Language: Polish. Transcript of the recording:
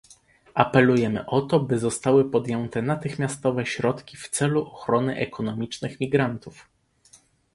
Apelujemy o to, by zostały podjęte natychmiastowe środki w celu ochrony ekonomicznych migrantów